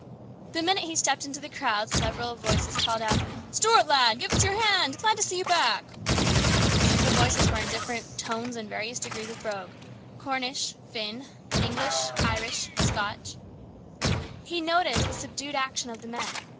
The minute he stepped into the crowd several voices called out, " Stuart, lad, give us your hand ! Glad to see you back !" The voices were in different tones and various degrees of brogue Cornish, Finn, English, Irish, Scotch. He noticed the subdued action of the men.